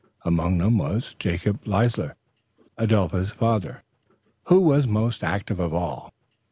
Among them was Jacob Leisler, Adelpha's father, who was most active of all.